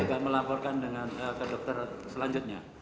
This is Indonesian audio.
maka saya juga melaporkan ke dokter selanjutnya